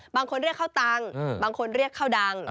บางคนเรียกข้าวตังค์บางคนเรียกข้าวดัง